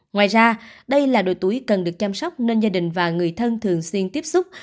ngoài ra đây là độ tuổi cần được chăm sóc nên gia đình và người thân thường xuyên tiếp xúc